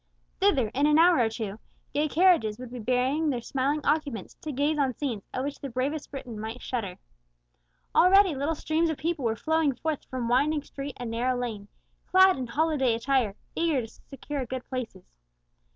Thither, in an hour or two, gay carriages would be bearing their smiling occupants to gaze on scenes at which the bravest Briton might shudder. Already little streams of people were flowing forth from winding street and narrow lane, clad in holiday attire, eager to secure good places.